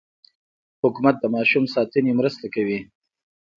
حکومت د ماشوم ساتنې مرسته کوي.